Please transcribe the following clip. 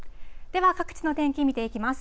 では各地の天気、見ていきます。